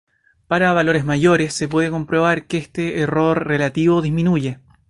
Para valores mayores se puede comprobar que este error relativo disminuye.